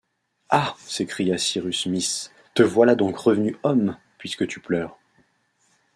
Ah! s’écria Cyrus Smith, te voilà donc redevenu homme, puisque tu pleures !